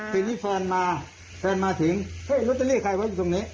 ทีนี้แฟนมาแฟนมาถึงเฮ้ยลอตเตอรี่ใครไว้อยู่ตรงนี้